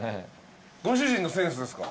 ご主人のセンスですか？